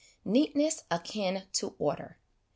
Neatness Akin to Order.